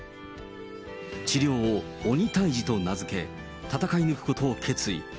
治療を鬼退治と名付け、闘い抜くことを決意。